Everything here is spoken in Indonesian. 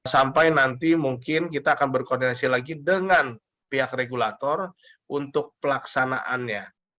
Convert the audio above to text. sampai nanti mungkin kita akan berkoordinasi lagi dengan pihak regulator untuk pelaksanaannya